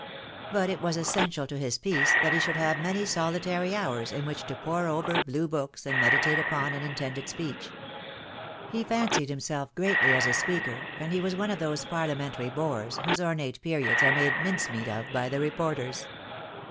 But it was essential to his peace that he should have many solitary hours in which to pore over Blue books and meditate upon an intended speech. He fancied him THE DAY WILT, COME. 137 self greatly as a speaker, and he was one of those Parlia mentary bores whose ornate periods are made mincemeat of by the reporters.